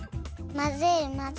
まぜまぜ。